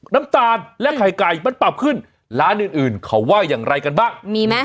น้ำตาลและไข่ไก่มันปรับขึ้นร้านอื่นอื่นเขาว่าอย่างไรกันบ้างมีไหม